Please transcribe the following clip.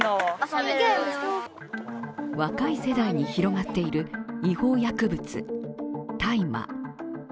若い世代に広がっている違法薬物、大麻。